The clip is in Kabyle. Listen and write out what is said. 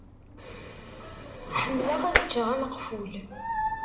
Ḥemmleɣ ad ččeɣ ameqful.